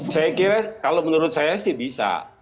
saya kira kalau menurut saya sih bisa